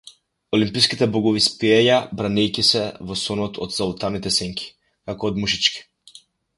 Олимпските богови спиеја бранејќи се во сонот од залутаните сенки, како од мушички.